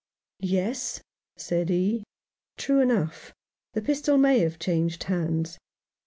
"Yes," said he, "true enough. The pistol may have changed hands.